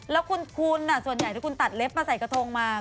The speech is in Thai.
แล้วคุณส่วนใหญ่ที่คุณตัดเล็บมาใส่กระทงมา